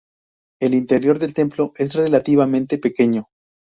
El interior del templo es relativamente pequeño.